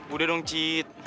udah dong cit